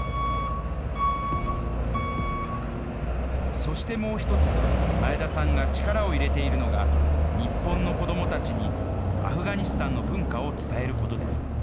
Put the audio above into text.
そしてもう一つ、前田さんが力を入れているのが、日本の子どもたちに、アフガニスタンの文化を伝えることです。